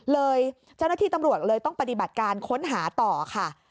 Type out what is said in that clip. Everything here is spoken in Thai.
เจ้าหน้าที่ตำรวจเลยต้องปฏิบัติการค้นหาต่อค่ะ